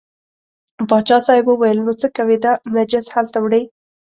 پاچا صاحب وویل نو څه کوې دا نجس هلته وړې.